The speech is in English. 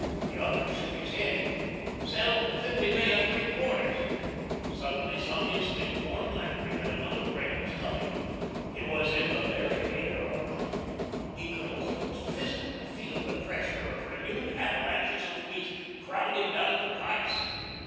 The other shook his head. "'Sell fifty May at three quarters." Suddenly some instinct warned Landry that another break was coming. It was in the very air around him. He could almost physically feel the pressure of renewed avalanches of wheat crowding down the price.